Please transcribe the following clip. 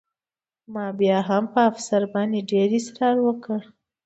ما بیا هم په افسر باندې ډېر اسرار وکړ